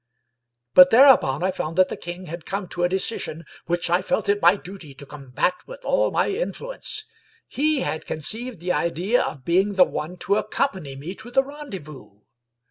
But thereupon I found that the king had come to a de cision, which I felt it to be my duty to combat with all my influence. He had conceived the idea of being the one to accompany me to the rendezvous.